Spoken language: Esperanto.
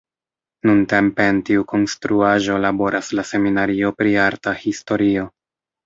Nuntempe en tiu konstruaĵo laboras la seminario pri arta historio.